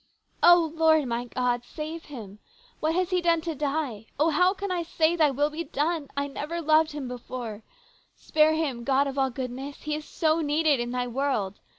" O Lord, my God, save him ! What has he done 240 HIS BROTHER'S KEEPER. to die ? Oh, how can I say, ' Thy will be done ?' I never loved him before. Spare him, God of all goodness ! He is so needed in Thy world